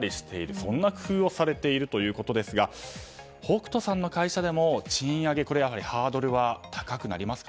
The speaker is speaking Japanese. そんな工夫をされているということですが北斗さんの会社でも賃上げのハードルは高くなりますか。